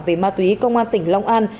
về ma túy công an tỉnh long an